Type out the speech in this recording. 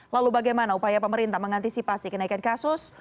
lalu bagaimana upaya pemerintah mengantisipasi kenaikan kasus